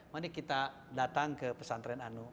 mari kita datang ke pesantren anu